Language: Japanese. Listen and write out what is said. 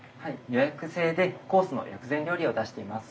予約制でコースの薬膳料理を出しています。